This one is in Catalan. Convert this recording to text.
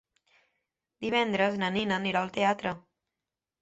Divendres na Nina anirà al teatre.